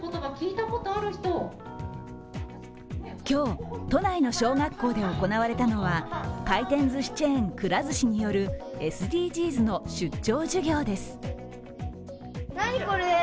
今日、都内の小学校で行われたのは回転ずしチェーン、くら寿司によるＳＤＧｓの出張授業です。